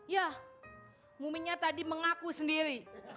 ya muminya tadi mengaku sendiri